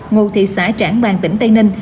ngụ thị xã trảng bàng tỉnh tây ninh